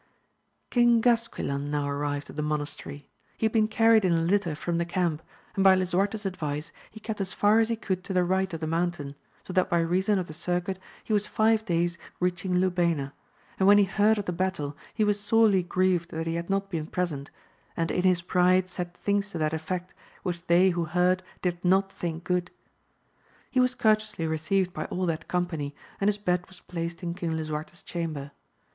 King GasquUan now arrived at the monastery ; he had been carried in a litter from the camp, and by Lisuarte^s advice he kept as far as he could to the right of the mountain, so that by reason of the circuit he was five days reaching Luba3ma ; and when he heard of the battle he was sorely grieved that he had not been present, and in his pride said things to that effect, which they who heard did n(>t think good. He was courteously received by all that company, and his bed was placed in King Lisuarte's chamber.